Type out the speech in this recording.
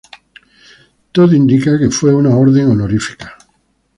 Todo indica que fue una orden honorífica.